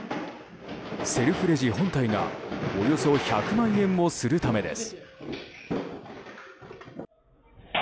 セルフレジ本体がおよそ１００万円もするためです。